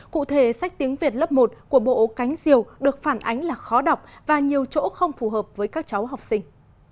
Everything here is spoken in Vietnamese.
cụ thể sách tiếng việt lớp một của bộ cánh diều được phản ánh là khó đọc và nhiều chỗ không phù hợp với các cháu học sinh